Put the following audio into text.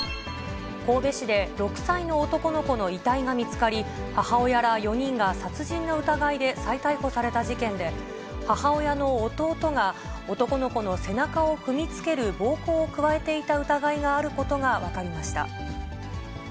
神戸市で６歳の男の子の遺体が見つかり、母親ら４人が、殺人の疑いで再逮捕された事件で、母親の弟が、男の子の背中を踏みつける暴行を加えていた疑いがあることが分かりました。